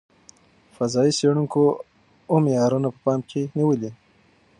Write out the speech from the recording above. فضايي څېړونکو اوه معیارونه په پام کې نیولي.